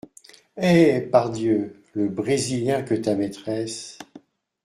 Eh pardieu ! le Brésilien que ta maîtresse…